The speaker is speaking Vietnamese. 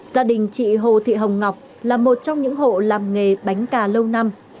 gia đình chị hồ thị hồng ngọc là một trong những hộ làm nghề bánh cà lâu năm